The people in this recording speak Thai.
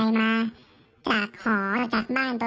อัลดอร์มันดีกว่าที่ว่าเราไม่ต้องรู้จักกันอย่างนี้ครับ